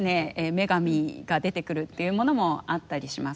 女神が出てくるっていうものもあったりします。